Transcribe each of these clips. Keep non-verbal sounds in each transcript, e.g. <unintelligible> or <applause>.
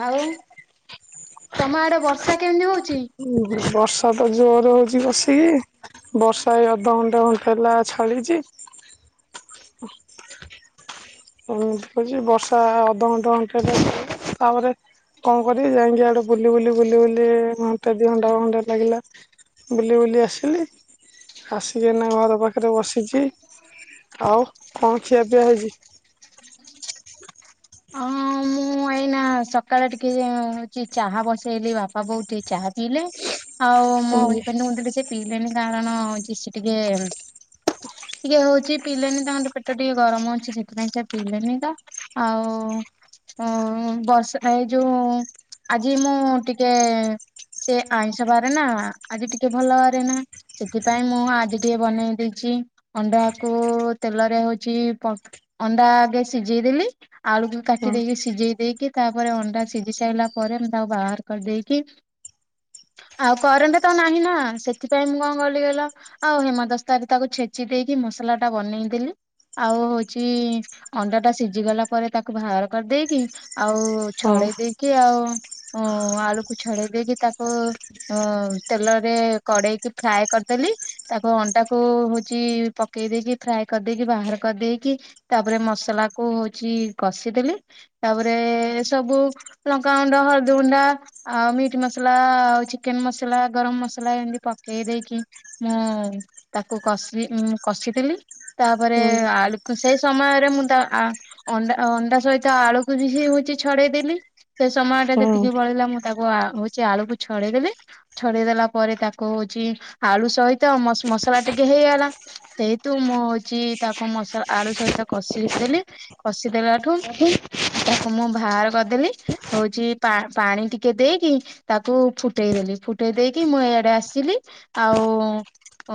ଆଉ ତମ ଆଡେ ବର୍ଷା କେମିତି ହଉଛି? ଉ ବର୍ଷା ତ ଜୋର ହଉଛି ବସିକି ବର୍ଷା ଏ ଅଧଘଣ୍ଟା ଘଣ୍ଟା ହେଲା ଛାଳିଛି ହ <unintelligible> ଏମିତିଛି ବର୍ଷା ଅଧଘଣ୍ଟା ଘଣ୍ଟ ପରେ ତାପରେ କଣ କର ଯାଇକି ଆଡେ ବୁଲି ବୁଲି ବୁଲି ବୁଲି ଘଣ୍ଟା ଦି ଘଣ୍ଟା ଘଣ୍ଟା ଟେ ଲାଗିଲା ବୁଲି ବୁଲି ଆସିଲି ଆସିକିନା ଘର ପାଖରେ ବସିଛି ଆଉ କଣ ଖିଆ ପିଆ ହେଇଛି? ହଁ ମୁଁ ଆଇ ନା ସକାଳେ ଟିକେ ହଉଛି ଚାହା ବସେଇଲି ବାପା ବୋଉ ଟିକେ ଚାହା ପିଇଲେ। ଆଉ ମୋ ହୁଁ ଇଭ କୁଥିଲ ସେ ପିଇଲେଣିି କାରଣ ଜି ସେ ଟିକେ ଟିକେ ହଉଛି ପିଇଲେନି ତାଙ୍କର ପେଟ ଟିକେ ଗରମ ଅଛି, ସେଥିପାଇଁ ସେ ପିଇଲେନି ତ। ଆଉ ହଉ ବର୍ଷ ଏଇ ଯୋଉ, ଆଜି ମୁଁ ଟିକେ ସେ ଆଇଁଷ ବାରେ ନା, ଆଜି ଟିକେ ଭଲ ବାରେ ନା ସେଥିପାଇଁ ମୁଁ ଆଜି ଟିକେ ବନେଇ ଦେଇଛି, ଅଣ୍ଡାକୁ ତେଲରେ ହଉଛି ଅଣ୍ଡା ଆଗେ ସିଝେଇଦେଲି, ଆଳୁକୁ କାଟି ହଁ ଦେଇକି ସିଝେଇ ଦେଇକି ତାପରେ ଅଣ୍ଡା ସିଝି ସାରିଲା ପରେ, ମୁଁ ତାକୁ ବାହାର କରିଦେଇକି ଆଉ କରେଣ୍ଟ ତ ନାହିଁ ନା, ସେଥିପାଇଁ ମୁଁ କଣ କଲି କହଲ? ଆଉ ହେମଦସ୍ତାରେ ତାକୁ ଛେଚି ଦେଇକି ମସଲା ଟା ବନେଇଦେଲି। ଆଉ ହଉଛି ଅଣ୍ଡା ଟା ସିଝି ଗଲା ପରେ ତାକୁ ବାହାର କରିଦେଇକି ଆଉ ହଁ ଛଡେଇ ଦେଇକି, ଆଉ ଆଳୁକୁ ଛଡେଇ ଦେଇକି ତାକୁ ତେଲରେ କଡେଇକି ଫ୍ରାଏ କରିଦେଲି। ତାକୁ ଅଣ୍ଡା କୁ ହଉଛି ପକେଇ ଦେଇକି, ଫ୍ରାଏ କରିଦେଇକି, ବାହାର କରିଦେଇକି ତାପରେ ମସଲା କୁ ହଉଛି କଷିଦେଲି, ତାପରେ ସବୁ ଲଙ୍କା ଗୁଣ୍ଡା, ହଳଦୀ ଗୁଣ୍ଡା ଆଉ ମିଟ୍ ମସଲା ଆଉ ଚିକେନ ମସଲା, ଗରମ ମସଲା, ଏମିତି ପକେଇ ଦେଇକି ମୁଁ ତାକୁ କଷ ମୁଁ କଷିଥିଲି। ତାପରେ ହୁଁ ଆଳୁ କୁ, ସେଇ ସମୟରେ ମୁଁ ଅ ଅଣ୍ଡା ସହିତ ଆଳୁ ବି ସେ ହଉଛି ଛଡେଇଦେଲି। ସେ ସମୟ ଟା ହୁଁ ଯେତିକି ବଳିଲା, ମୁଁ ତାକୁ ହଉଛି ଆଳୁକୁ ଛଡେଇ ଦେଲି। ଛଡେଇଦେଲା ପରେ ତାକୁ ହଉଛି ଆଳୁ ସହିତ ମସଲା ଟିକେ ହେଇଗଲା। ସେଇତୁ ମୁଁ ହଉଛି ତାକୁ ମସଲା ଆଳୁ ସହିତ କଷି ଦେଲି, କଷି ଦେଲା ଠୁ ତାକୁ ମୁଁ ବାହାର କରିଦେଲି, ହଉଛି ପା ପାଣି ଟିକେ ଦେଇକି ତାକୁ ଫୁଟେଇଦେଲି, ଫୁଟେଇ ଦେଇକି ମୁଁ ଏଇଆଡେ ଆସିଲି ଆଉ ଓ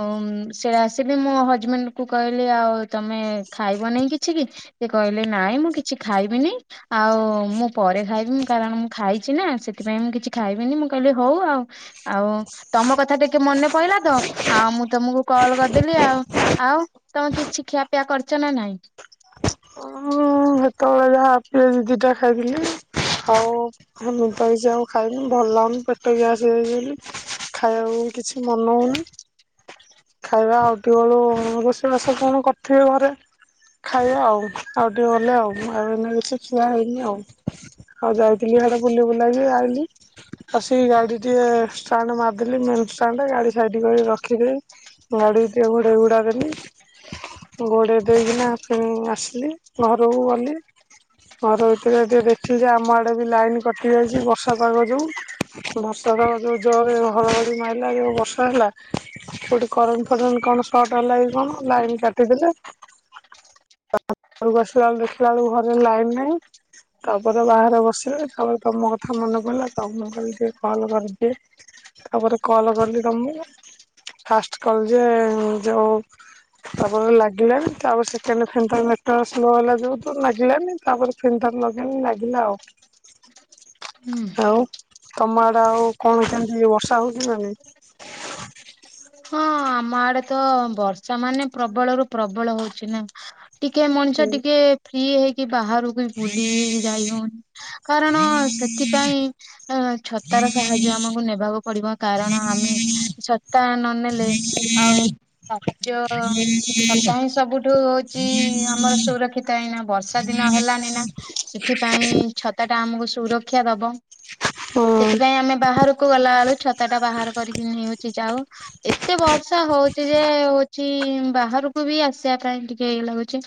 ସେଟା ଆସିବି ମୋ ହଜବେଣ୍ଡ କୁ କହିଲି ଆଉ ତମେ ଖାଇବ ନେଇାଇଁ କିଛି କି? ସେ କହିଲେ ନାଇଁ, ମୁଁ କିଛି ଖାଇବିନି। ଆଉ ମୁଁ ପରେ ଖାଇବି, ମୁ କାରଣ ମୁଁ ଖାଇଛି ନା ସେଥିପାଇଁ ମୁଁ କିଛି ଖାଇବିନି, ମୁଁ କହିଲି ହଉ ଆଉ ଆଉ ତମ କଥା ଟିକେ ମନେ ପଇଲା ତ, ଆଉ ମୁଁ ତମକୁ କଲ କରିଦେଲି ଆଉ ଆଉ ତମେ କିଛି ଖିଆପିଆ କରିଛ ନା ନାଇଁ? ହ ସେତେବେଳେ ଯାହା ଦି ଦିଟା ଖାଇଦେଲି ଇ ହଉ ନିଦ ହେଇଛି ଆଉ ଖାଇନି ଭଲ ଲାଗୁନି ପେଟ ଗ୍ୟାସଯାଇଛି ବୋଲି ଖାଇବାକୁ କିଛି ମନହଉନି। ଖାଇବା ଆଉ ଟିକେ ବେଳୁ ରୋଷେଇବାସ କଣ କରିଥିବେ ଘରେ? ଖାଇବା ଆଉ, ଆଉ ଟିକେ ଗଲେ, ଆଉ ଆଉ ଏମ କିଛି ଖିଆ ହେଇନି ଆଉ, ଆଉ ଯାଇଥିଲି ହଡ଼ ବୁଲି ବୁଲାଇକି ଆଇଲିି। ଆଉ ସେ ଗାଡି ଟିକେ ଷ୍ଟାଣ୍ଡ ମାରିଦେଲି, ମେନ ଷ୍ଟାଣ୍ଡ, ଗାଡି ସାଇଟ କରି ରଖିଦେଇ ଗାଡ଼ି ଟିକେ ଘୋଡ଼ା ଘୋଡ଼ା ଦେଲି। ଗୋଡ଼େଇ ଦେଇକିନା ପ ଆସିଲି, ଘରକୁ ଗଲି। ଘର ଭିତରେ ଟିକେ ଦେଖିଛ ଆମ ଆଡେ ବି ଲାଇନ କଟି ଯାଇଛି ବର୍ଷା ପାଗ ଯୋଉ ବର୍ଷା ତ ଯୋଉ ଜୋରରେ ହରହରି ମାରିଲା ଯ ବର୍ଷା ହେଲା। କୋଠି କରେଣ୍ ଫରେଣ୍ କଣ ସଟ ହେଲା କଣ ଲାଇନ କାଟିଦେଲେ। ଘରକୁ ଆସିଲା ବେଳୁ ଦେଖିଲା ବେଳକୁ ଘରେ ଲାଇନ ନାହିଁ। ତାପରେ ବାହାରେ ବସିଲେ ତାପରେ ତମ କଥା ମନେ ପଡିଲା ତମ କରି ଟିକେ କଲ କରିଦିଏ। ତାପରେ କଲ କଲି ତମକୁ, ଫାଷ୍ଟ କଲ ଯେ ଯୋଉ ତାପରେ ଲାଗିଲାନି ତାପ ସେକେଣ୍ଡ ଫୋନ୍ ଟା ନେଟୱର୍କ ସ୍ଲୋ ହେଲା, ଯୁ ଲାଗିଲାନି ତାପରେ <unintelligible> ଲାଗିଲା ଆଉ ହୁଁ ଆଉ ତମ ଆଡେ ଆଉ କଣ କେମିତି ବର୍ଷା ହଉଛି ନା ନାଇ ହଁ ଆମ ଆଡେ ତ ବର୍ଷା ମାନେ ପ୍ରବଳରୁୁ ପ୍ରବଳ ହଉଛି ନା ଟିକେ ମଣିଷ ନାଇଁ? ଟିକେ ଫ୍ରି ହେଇକି ବାହାରୁ ବୁଲି ଯାଇ ହଉନି କାରଣ ସେଥି ପାଇଁ ଛତାର ସାହାଯ୍ୟ ଆମକୁ ନେବାକୁ ପଡିବ କାରଣ ଆମେ ଛତା ନନେଲେ ଆଉ ସାହାଯ୍ୟ ଛତା ହିଁ ସବୁଠୁ ହୋଉଛି ଆମର ସୁରକ୍ଷା କି ତାହିଁନା ବର୍ଷା ଦିନ ହେଲାନି ନା ସେଥିପାଇଁ ଛତା ଟା ଆମକୁ ସୁରକ୍ଷା ଦବ। ହଁ। ସେଥିପାଇଁ ଆମେ ବାହାରକୁ ଗଲା ବେଳୁ ଛତା ଟା ବାହାର କରିକି ନେଉଛି ଯାଉ ଏତ ଏତେ ବର୍ଷା ହୋଉଛି ଯେ ହୋଉଛି ବାହାରକୁ ବି ଆସିବା ପାଇଁ ଟିକେ ଇଏ ଲାଗୁଛି।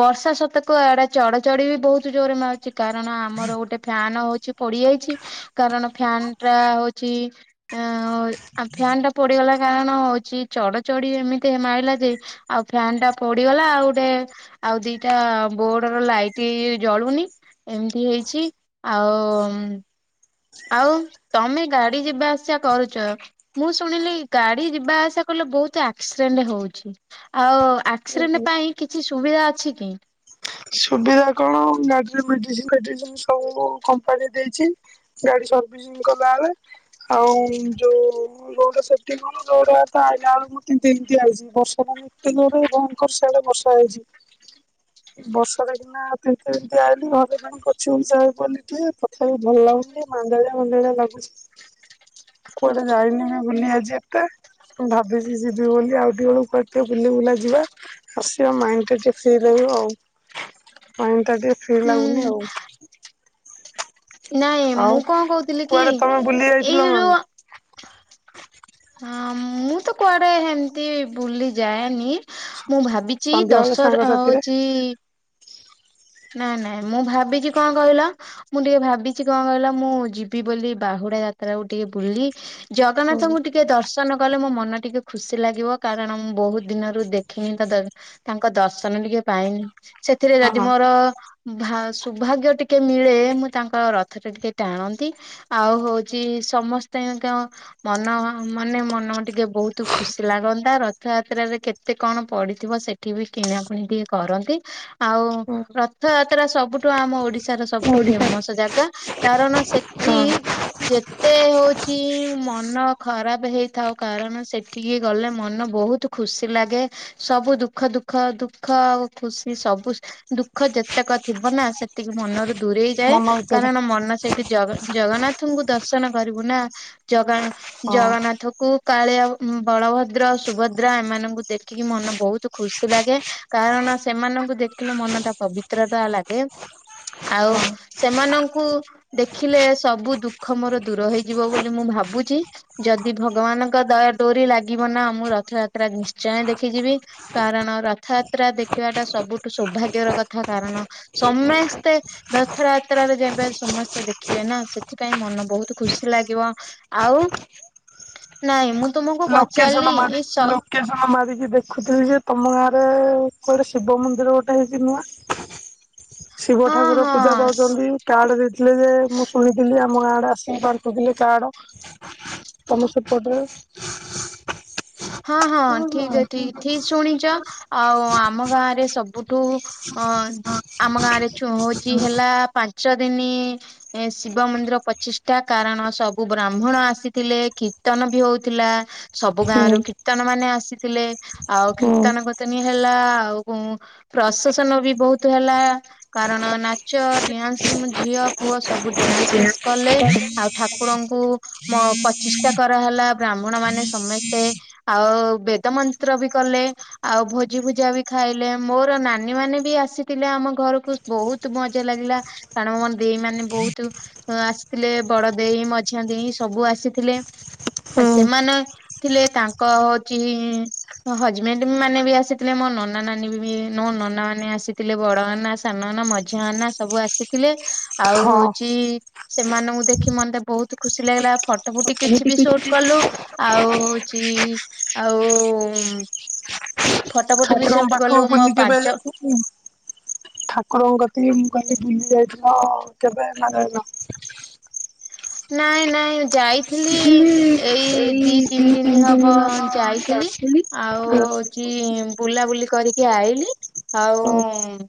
ବର୍ଷା ସତେକ ଇଆଡେ ଚଡଚଡ଼ିବି ବହୁତ ଜୋରରେ ମାରୁଛି କାରଣ ଆମର ଗୋଟେ ଫ୍ୟାନ ହଉଛି ପୋଡିଯାଇଛି କାରଣ ଫ୍ୟାନ ଟା ହୋଉଛି ଆଁ ଆଉ ଫ୍ୟାନଟା ପୋଡିଗଲା କାରଣ କଣ ହୋଉଛି ଚଡଚଡ଼ି ଏମିତି ମାରିଲା ଯେ ଆଉ ଫ୍ୟାନ ଟା ପୋଡିଗଲା ଆଉ ଗୋଟେ ଆଉ ଦିଟା ବୋର୍ଡ ର ଲାଇଟ୍ ଜଳୁନି ଏମିତି ହେଇଛି ଆଉ ଆଉ ତମେ ଗାଡି ଯିବା ଆସିବା କରୁଛ ମୁଁ ଶୁଣିଲି ଗା ବି ଯିବା ଆସା କଲେ ବହୁତ ଆକ୍ସିଡେଣ୍ଟ ହୋଉଛି। ଆଉ ଆକ୍ସିଡେଣ୍ଟ ପାଇଁ କିଛି ସୁବିଧା ଅଛି କି? ସୁବିଧା କଣ ଗାଡ଼ିରେ ମେଡିସିନ ଫେଡିସିନ ସବୁ କମ୍ପାନୀ ଦେଇଛି। ଗାଡି ସର୍ଭିସିଂ କଲାବେଳେ ଆଉ ଯୋଉ ରୋଡ ସେଫ୍ଟି କଣ ରୋଡ ତ ଆଇଲା ବେଳକୁ ମୁଁ ତିନ୍ତି ତିନ୍ତି ଆଇଛି। ଵର୍ଷା ପାଣି ଦିନରେ ଭୟଙ୍କର ସେଆଡେ ବର୍ଷା ହେଇଛି। ବର୍ଷା ବାଟରେ କିନା ତିନ୍ତି ତିନ୍ତି ଆଇଲି ଘରେ ପାଇଁ ପୋଛି ପୁଛା ହେଇ ପଇଲି ଟିକେ ତଥାପି ଭଲ ଲାଗୁନି ମାନ୍ଦାଳିଆ ମାନ୍ଦାଳିଆ ଲାଗୁଛି। କୁଆଡେ ଯାଇନି ମୁ ବୁଲି ଆଜି ଏକା ମୁଁ ଭାବିିଚି ଯିବି ବୋଲି ଆଉ ଟିକେବେଳୁ କୁଆଡେ ଟିକେ ବୁଲିବୁଲା ଯିବା ଆସିବ ମାଇଣ୍ଡ ଟା ଟିକେ ଫ୍ରି ରହିବ ଆଉ। ମାଇଣ୍ଡ ଟା ଟିକେ ଫ୍ରି ଲାଗୁନି ଆଉ। ହୁଁ। ନାଇଁ ଆଉ ମୁଁ କଣ କହୁଥିଲି କି କୁଆଡେ ତମେ ବୁଲି ଯାଇଥିଲ ଏଇ ମାନେ? ଯୋଉ ହଁ ମୁଁ ତ କୁଆଡେ ହେମତି ବୁଲି ଯାଏନି ମୁଁ ଭାବି ବିଛି ସନ୍ଧ୍ୟା ବେଳେ ଦଶହରା ସାଙ୍ଗସାଥିରେ? ହୋଉଛି ନାଇଁ ନାଇଁ ମୁଁ ଭାବିଚି କଣ କହିଲ? ମୁଁ ଟିକେ ଭାବିଚି କଣ କହିଲ ମୁଁ ଯିବି ବୋଲି ବାହୁଡା ଯାତ୍ରାକୁୁ ଟିକେ ବୁଲି ହଁ। ଜଗନ୍ନାଥଙ୍କୁ ଟିକେ ଦର୍ଶନ କଲେ ମୋ ମନ ଟିକେ ଖୁସି ଲାଗିବ କାରଣ ମୁଁ ବହୁତ ଦିନରୁ ଦେଖିନି ତ ତାଙ୍କ ଦର୍ଶନ ଟିକେ ପାଇନି ସେଥିରେ ଯଦି ତ ହଁ ଭା ସୌଭାଗ୍ୟ ଟିକେ ମିଳେ ମୁଁ ତାଙ୍କ ରଥଟା ଟିକେ ଟାଣନ୍ତି ଆଉ ହୋଉଚି ସମସ୍ତେ କଣ ମନ ମାନେ ମନ ଟିକେ ବହୁତ ଖୁସି ଲାଗନ୍ତା ରଥଯାତ୍ରାରେ କେତେ କଣ ପଡିଥିବ ସେ ଏଠି ବି କିଣାକୁଣି ଟିକେ କରନ୍ତି ଆଉ ରଥଯାତ୍ରା ସବୁ ଠୁ ଆମ ଓଡିଶାର ସବୁଠୁ ଓଡିଶା। ଫେମସ ଜାଗା କାରଣ ହଁ ସେଠି ଯେତେ ହୋଉଛି ମନ ଖରାପ ହେଇଥାଉ କାରଣ ସେଠିକି ଗଲେ ମନ ବହୁତୁ ଖୁସି ଲାଗେ ସବୁ ଦୁଃଖ ଦୁଃଖ ଦୁଃଖ ଖୁସି ସବୁ ଦୁଃଖ ଯେତେକ ଥିବ ନା ସେତିକି ମନରୁ ଦୂରେଇ ଯାଏ। ମନ ଭିତରେ କାରଣ ମନ ସେଇଠି ଜ ଜଗନ୍ନାଥଙ୍କୁ ଦର୍ଶନ କରିବୁ ନା ଜଗା ହଁ ଜଗନ୍ନାଥକୁ କୁ କାଳିଆ ବଳଭଦ୍ର ସୁଭଦ୍ରା ଏମାନଙ୍କୁ ଦେଖିକି ମନ ବହୁତ ଖୁସି ଲାଗେ କାରଣ ସେମାନଙ୍କୁ ଦେଖିଲେ ମନ ଟା ପବିତ୍ରତା ଲାଗେ ଆଉ ସେମାନଙ୍କୁ ଦେଖିଲେ ସବୁ ଦୁଃଖ ମୋର ଦୂର ହେଇଯିବ ବୋଲି ମୁଁ ଭାବୁଚି। ଯଦି ଭଗବାନଙ୍କ ଦୟା ଡୋରି ଲାଗିବ ନା ମୁଁ ରଥଯାତ୍ରା ନିଶ୍ଚୟ ଦେଖିଯିବି। କାରଣ ରଥଯାତ୍ରା ଦେଖିବା ଟା ସବୁଠୁ ସୌଭାଗ୍ୟର କଥା କାରଣ ସମେସ୍ତେ ରଥଯାତ୍ରାରେ ଯେବେ ସମସ୍ତେ ଦେଖିବେ ନା, ସେଥିପାଇଁ ମନ ବହୁତ ଖୁସି ଲାଗିବ। ଆଉ ନାଇଁ ମୁଁ ତୁମକୁ ଲୋକେସନ ପଚାରିଲି ମାରି ଇ ସ ଲୋକେସନ ମାରିକି ଦେଖୁଥିଲି ଯେ, ତମ ଗାଁରେ କୁଆଡେ ଶିବ ମନ୍ଦିର ଗୋଟେ ହେଇଛି ନୂଆଁ? ଶିବ ହଁ ଠାକୁର ପୂଜା ହଁ ପାଉଚନ୍ତି। କାର୍ଡ ଦେଇଥିଲେ ଯେ, ମୁଁ ଶୁଣିଥିଲି ଆମ ଗାଁଡେ ଆସିିକି ବାଣ୍ଟୁଥିଲେ କାର୍ଡ। ତମ ସେପଟେ ହଁ- ହଁ ଠିକ୍ ଏ ଠିକ୍ ଠିକ ଶୁଣିଚ। ଆଉ ଆମ ଗାଁରେ ସବୁଠୁ ଅ ଆମ ଗାଁରେ ଚୋ ଚଉଚି ହେଲା ପାଞ୍ଚ ଦିନି ଏ ଶିବ ମନ୍ଦିର ପଚିଷ୍ଟା, କାରଣ ସବୁ ବ୍ରାହ୍ମଣ ଆସିଥିଲେ କୀର୍ତ୍ତନ ବି ହଉଥିଲା। ସବ ସବୁ ହୁଁ ଗାଁରୁ କୀର୍ତ୍ତନ ମାନେ ଆସିଥିଲେ, ଆଉ ହୁଁ କୀର୍ତ୍ତନ କୁତିନି ହେଲା ଆଉ ହୁଁ ପ୍ରଶସନ ବି ବହୁତ ହେଲା। କାରଣ ନାଚ ଡ୍ୟାନ୍ସ ଉଁ ଝିଅ ପୁଅ ସବୁ ଡ୍ୟାନ୍ସ ଫ୍ୟାନସ କଲେ। ଆଉ ଠାକୁରଙ୍କୁ ମ ପଚିଷ୍ଠା କରାହେଲା, ବ୍ରାହ୍ମଣ ମାନେ ସମେ ସ୍ତେ ଆଉ ବେଦ ମନ୍ତ୍ର ବି କଲେ। ଆଉ ଭୋଜି ଭୁଜା ବି ଖାଇଲେ, ମୋର ନାନୀ ମାନେ ବି ଆସିଥିଲେ ଆମ ଘରକୁ। ବହୁତ ମଜା ଲାଗିଲା, କାରଣ ମୋ ଦେଇ ମାନେ ବହୁତୁ ଆଁ ଆସିଥିଲେ ବଡ ଦେଇ, ମଝିଆ ଦେଇ ସବୁ ଆସିଥିଲେ ହୁଁ ସେମାନେ ଥିଲେ ତାଙ୍କ ହଉଛି ଇଁ ହଜବେଣ୍ଡ ମାନେ ବି ଆସିଥିଲେ, ମୋ ନନା ନାନୀ ବି ମୋ ନନା ମାନେ ଆସିଥିଲେ ବଡ ନନା ଆସ ସାନ ନାନା ମଝିଆ ନାନା ସବୁ ଆସିଥିଲେ। ଆଉ ହଁ ହଉଚି ସେମାନଙ୍କୁ ଦେଖି ମନ୍ତେ ବହୁତ ଖୁସି ଲାଗିଲା ଫ <unintelligible> କିଛି ବି ସୁଟ କଲୁ ଆଉ ହଉଛି ଆଉ ଉଁ ଠାକୁରଙ୍କ ପାଖକୁ ମୋ ବୁଲି କେବେ ପାଞ୍ଚ <unintelligible> ଠାକୁରଙ୍କ କତିକି, ମୁଁ କହିଲି ବୁଲି ଯାଇଥିଲ କେବେ ନା ଯାଇନ? ନାଇଁ ନାଇଁ। ଯାଇଥିଲି ବୁଲି ଏଇ ଦି ତିନି ଦିନ ହବ ଯାଇଥିଲି, ଆଉ ହଉଚି ବୁଲାବୁଲି କରିକି ଆଇଲି, ଆଉ ହଉ। ହୁଁ।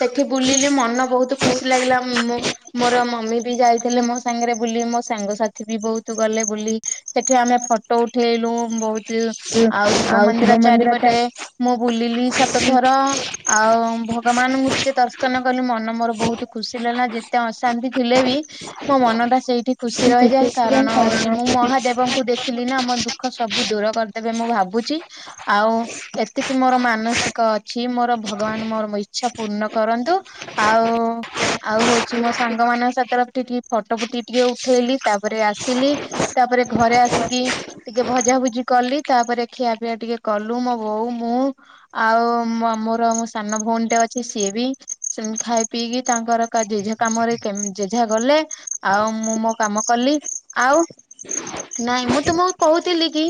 ସେଠି ବୁଲିଲି ମନ ବହୁତ ଖୁସି ଲାଗିଲା। ମୋ ମୋର ମମି ବି ଯାଇଥିଲେ, ମୋ ସାଙ୍ଗରେ ବୁଲି। ମୋ ସାଙ୍ଗସାଥି ବି ବହୁତ ଗଲେ ବୁଲି। ସେଠି ଆମେ ଫଟୋ ଉଠେଇଲୁ, ବହୁ ତୁ ଆଉ ଶିବ ମନ୍ଦିର ଚାରିପଟେ ମୁଁ ବୁଲିଲି ଯାଇଥିଲି ସାତଥର। ଆଉ ଭ ଭଗବାନଙ୍କୁ ଟିକେ ଦର୍ଶନ କଲି, ମନ ମୋର ବହୁତୁ ଖୁସି ଲାଗିଲା। ଯେତେ ଅଶାନ୍ତି ଥିଲେ ବି ମୋ ମନଟା ସେଇଠି ଖୁସି ରହିଯାଏ, କାରଣ ହଉଚି ମୁଁ ମହାଦେବଙ୍କୁ ଦେ ଇଥିଲି ନା ମୋ ଦୁଃଖ ସବୁ ଦୂର କରିଦେବେ ମୁଁ ଭାବୁଚି। ଆଉ ଏତିକି ମୋର ମାନସିକ ଅଛି, ମୋର ଭଗବାନ ମୋର ଇ ଇଛା ପୂର୍ଣ୍ଣ କରନ୍ତୁ। ଆଉ ଆଉ ହଉଛି ମୋ ସାଙ୍ଗ ମାନଙ୍କ ସାଥିରେ, ଉଠି ଟିକେ ଫଟୋ ଫୁଟି ଟିକେ ଉଠେଇଲି ତାପରେ ଆସିଲି। ତାପରେ ଘରେ ଆସିକି ଟିକେ ଭଜାଭୁଜି କଲି, ତାପରେ ଖିଆ ପିଆ ଟିକେ କଲୁ ମୋ ବୋଉ ମୁଁ। ଆଉ ମା ମୋର ମୋ ସାନ ଭଉଣୀ ଟେ ଅଛି ସିଏ ବି। ସେମିତି ଖାଇ ପିଇକି ତାଙ୍କର କା ଜେଝା କାମରେ ଯେଝା ଗଲେ। ଆଉ ମୁଁ ମୋ କାମ କଲି, ଆଉ ନାଇଁ ମୁଁ ତୁମକୁ କହୁଥିଲି କି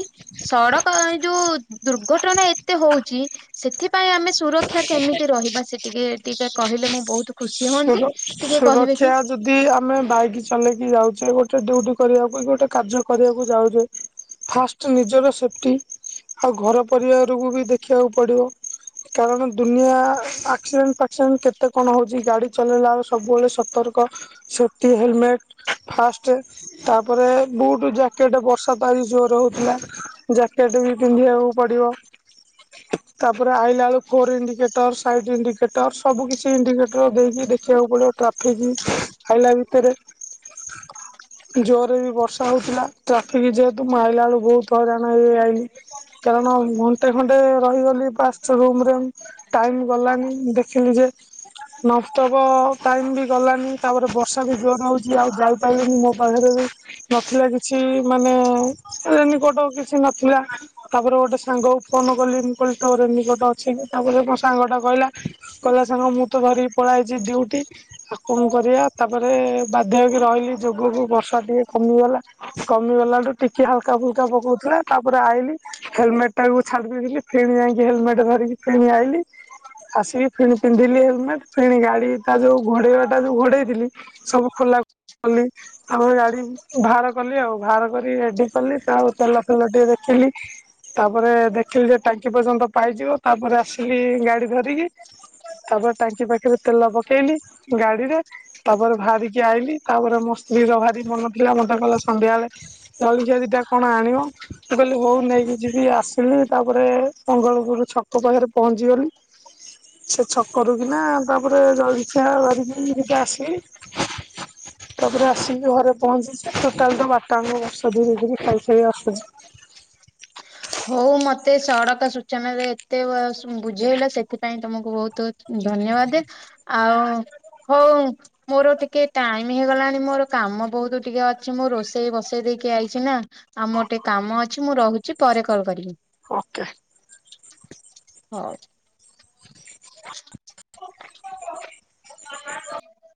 ସଡକ ଏ ଯୋଉ ଦୁର୍ଘଟଣା ଏତେ ହଉଚି। ସେଥିପାଇଁ ଆମେ ସୁରକ୍ଷା କେମିତି ରହିବା? ସେ ଟିକେ ଟିକେ କହିଲେ ମୁଁ ବହୁତୁ ଖୁସି ହୁଅନ୍ତି, ସୁର ଟିକେ କହିବେ କି? ସୁରକ୍ଷା ଯଦି ଆମେ ବାଇକି ଚଲେଇକି ଯାଉଚେ ଗୋଟେ ଡ୍ୟୁଟି କରିବାକୁ କି ଗୋଟେ କାର୍ଯ୍ୟ କରିବାକୁ ଯାଉଚେ। ଫାଷ୍ଟ ନିଜର ସେଫ୍ଟି ଆଉ ଘର ପରିବାରକୁ ବି ଦେଖିବାକୁ ପଡିବ। କାରଣ ଦୁନିଆ ଆକ୍ସିଡେଣ୍ଟ ଫାକ୍ସିଡେଣ୍ଟ କେତେ କଣ ହଉଛି ଗାଡି। ଚଲେଇଲା ସବୁବେଳେ ସତର୍କ ସେଫ୍ଟି ହେଲମେଟ୍ ଫାଷ୍ଟେ। ତାପରେ ବୁଟୁ ଜ୍ୟାକେଟ ବର୍ଷା ତ ଆଜି ଜୋରେ ହଉଥିଲା। ଜ୍ୟାକେଟ ବି ପିନ୍ଧିବାକୁ ପଡିବ। ତାପରେ ଆଇଲା ବେଳକୁ ଫୋର ଇଣ୍ଡିକେଟର ସାଇଡ ଇଡିିକେଟର ସବୁ କିଛି ଇଣ୍ଡିକେଟର ଦେଇକି ଦେଖିବାକୁ ପଡିବ ଟ୍ରାଫିକି ଆଇଲା ଭିତେରେ। ଜୋରେ ବି ବର୍ଷା ହଉଥିଲା ଟ୍ରାଫିକି ଯେହେତୁ ମୁଁ ଆଇଲା ବେଳକୁ ବହୁତୁ ହଇରାଣ ହେଇ ହେଇ ଆଇଲି। କାରଣ ଘଣ୍ଟେ ଖଣ୍ଡେ ରହିଗଲି ପାଶ୍ଚ ରୁମୁରେ। ଟାଇମିି ଗଲାନି ଦେଖିଲି ଯେ। ତବ ଟାଇମିି ବି ଗଲାନି ତାପରେ ବର୍ଷା ବି ଜୋରେ ହଉଛି ଆଉ ଯାଇପାଇଲିିନି ମୋ ପାଖରେ ବି ନଥିଲା କିଛି ମାନେ ରେନିକୋଟ କିଛି ନଥିଲା। ତାପରେ ଗୋଟେ ସାଙ୍ଗକୁ ଫୋନ କଲି ମୁଁ କହିଲି ତୋ ରେନିକୋଟ ଅଛି କି ତାପରେ ମୋ ସାଙ୍ଗ ଟା କହିଲା କହିଲା ସାଙ୍ଗ ମୁଁ ତ ଧରିକି ପଳି ଆଇଚି ଡିଉଟି। ଆଉ କଣ କରିବା ତାପରେ ବାଧ୍ୟ ହୋଇକି ରହିଲି ଯୋଗକୁ ବର୍ଷା ଟିକେ କମିଗଲା। କମିଗଲାଠୁ ଟିକେ ହାଲକା ଫୁଲକା ପକଉଥିଲା ତାପରେ ଆଇଲି। ହେଲମେଟ ଟାକୁ ଛାଡିି ଦେଇଥିଲି ଫେଣି ଯାଇକି ହେଲମେଟ ଧରିକି ଫେଣି ଆଇଲି। ଆସିକି ଫେଣି ପିନ୍ଧିଲି ହେଲମେଟ। ଫେଣି ଗାଡି ଟା ଯୋଉ ଘଡେଇବା ଟା ଯୋଉ ଘଡେଇଥିଲି ସବୁ ଖୋଲା କଲି। ଆମ ଗାଡି ଭାର କଲି ଆଉ ଭାର କରି ରେଡି କଲି ଆଉ ତେଲ ଫେଲ ଟିକେ ଦେଖିଲି। ତାପରେ ଦେଖିଲି ଯେ ଟାଙ୍କି ପର୍ଯ୍ୟନ୍ତ ପାଇଯିବ ତାପରେ ଆସିଲି ଗାଡି ଧରିକି। ତାପରେ ଟାଙ୍କି ପାଖେରେ ତେଲ ପକେଇଲି ଗାଡିରେ। ତାପରେ ଭାରିକି ଆଇଲି ତାପରେ ମୋ ସ୍ତ୍ରୀ ର ବାହାରି ମନ ଥିଲା ମତେ କହିଲା ସନ୍ଧ୍ୟାବେଳେ ଜଳଖିଆ ଦିଟା କଣ ଆଣିବ। ମୁଁ କହିଲି ହଉ ନେଇକି ଯିବି ଆସିଲି ତାପରେ ମଙ୍ଗଳପୁରୁ ଛକ ପାଖରେ ପହଞ୍ଚିଗଲି। ଛେ ଛକରୁ କିନା ତାପରେ ଜଳଖିଆ ଧରିକିରି ଟିକେ ଆସିଲି। ତାପରେ ଆସିକି ଘରେ ପହଞ୍ଚିଚି ଟୋଟାଲ ତ ବାଟ ଆଙ୍କ ବର୍ଷା ଧୀରେ ଧୀରେ ଖାଇ ଖାଇ ଆସୁଚି। ହଉ ମତେ ସଡ଼କ ସୂଚନା ରେ ଏତେ ବୁଝେଇଲ ସେଥିପାଇଁ ତମକୁ ବହୁତୁ ବହୁତୁ ଧନ୍ୟବାଦ ଆଉ ହଉ। ମୋର ଟିକେ ଟାଇମ ହେଇଗଲାଣି ମୋର କାମ ବହୁତ ଟିକେ ଅଛି ମୁଁ ରୋଷେଇ ବସେଇ ଦେଇକି ଆଇଛି ନା। ଆଉ ମୋର ଟିକେ କାମ ଅଛି ମୁଁ ରହୁଛି ପରେ କଲ କରିବି। ଓକେ। ହଉ। <inaudible>